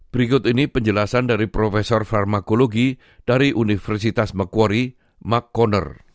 berikut ini penjelasan dari profesor farmakologi dari universitas macquarie mark conner